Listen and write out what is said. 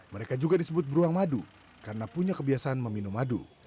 mereka juga disebut beruang madu karena punya kebiasaan meminum madu